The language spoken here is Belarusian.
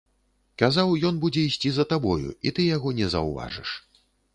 Казаў, ён будзе ісці за табою, і ты яго не заўважыш.